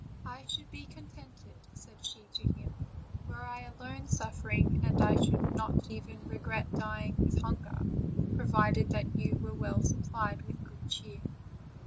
"I should be contented," said she to him, "were I alone suffering, and I should not even regret dying with hunger, provided that you were well supplied with good cheer."